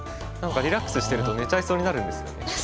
何かリラックスしてると寝ちゃいそうになるんですよね。